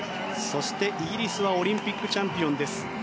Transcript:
そして、イギリスはオリンピックチャンピオンです。